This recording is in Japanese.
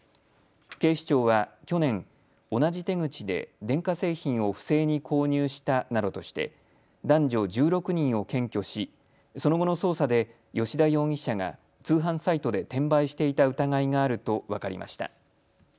警視庁は去年、同じ手口で電化製品を不正に購入したなどとして男女１６人を検挙し、その後の捜査で吉田容疑者が通販サイトで転売していた疑いがあると分かりました。